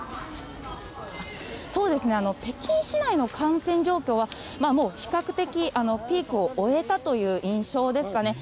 そうですね、北京市内の感染状況は、もう比較的ピークを終えたという印象ですかね。